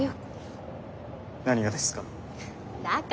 何がですか？